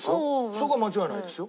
そこは間違いないですよ。